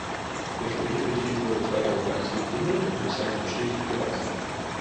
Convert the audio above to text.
Der Familienbetrieb wurde zweitausendeins gegründet und ist seitdem stetig gewachsen.